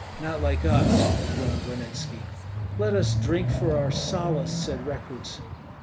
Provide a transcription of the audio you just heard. "Not like us," groaned Ranitski. "Let us drink for our solace," said Rekuts.